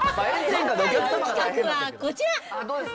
今回の企画はこちら。